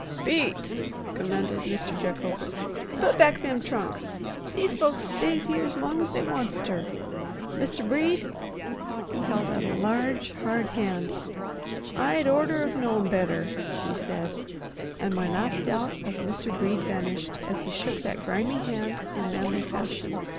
"Pete!" commanded Mr. Jacobus, "put back them trunks. These folks stays here's long's they wants ter. Mr. Brede"—he held out a large, hard hand—"I'd orter've known better," he said. And my last doubt of Mr. Brede vanished as he shook that grimy hand in manly fashion.